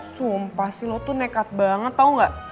sumpah sih lo tuh nekat banget tau ga